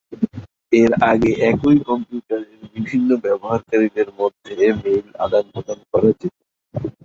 এর আগে একই কম্পিউটারের বিভিন্ন ব্যবহারকারীদের মধ্যে মেইল আদান-প্রদান করা যেত।